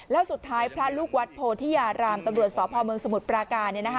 แล้วสุดท้ายพระลูกวัดโพธิยารามตำรวจสพเมืองสมุทรปราการ